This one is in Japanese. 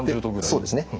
そうですね。